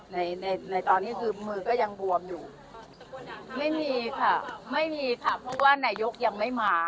ในในตอนนี้คือมือก็ยังบวมอยู่ไม่มีค่ะไม่มีค่ะเพราะว่านายกยังไม่มา